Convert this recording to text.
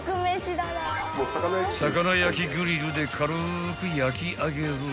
［魚焼きグリルで軽く焼き上げる］